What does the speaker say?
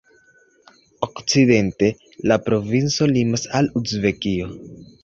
Okcidente la provinco limas al Uzbekio.